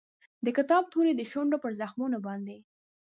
د کتاب توري یې د شونډو پر زخمونو باندې